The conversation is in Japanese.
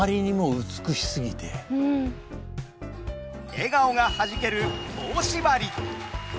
笑顔がはじける「棒しばり」。